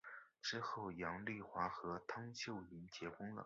之后杨棣华和汤秀云结婚了。